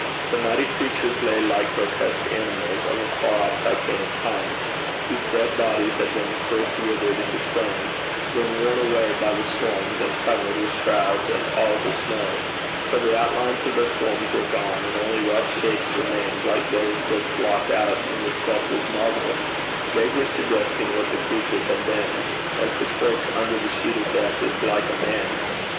The mighty creatures lay like grotesque animals of a far off titanic time, whose dead bodies had been first withered into stone, then worn away by the storms, and covered with shrouds and palls of snow, till the outlines of their forms were gone, and only rough shapes remained like those just blocked out in the sculptor's marble, vaguely suggesting what the creatures had been, as the corpse under the sheet of death is like a man.